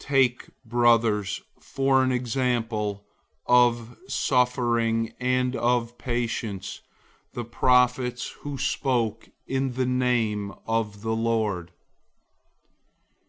005:010 Take, brothers, for an example of suffering and of patience, the prophets who spoke in the name of the Lord.